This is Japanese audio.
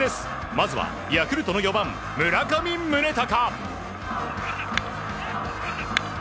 まずはヤクルトの４番、村上宗隆。